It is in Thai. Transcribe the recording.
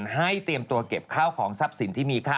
ให้เตรียมตัวเก็บข้าวของทรัพย์สินที่มีค่า